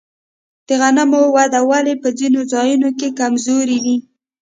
د غنمو وده ولې په ځینو ځایونو کې کمزورې وي؟